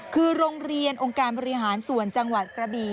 คือโรงเรียนองค์การบริหารส่วนจังหวัดกระบี